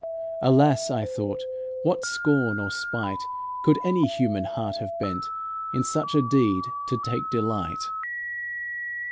Alas! I thought, what scorn or spite Could any human heart have bent In such a deed to take delight?